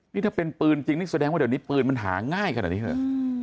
นี่ถ้าเป็นปืนจริงนี่แสดงว่าเดี๋ยวนี้ปืนมันหาง่ายขนาดนี้เหรอ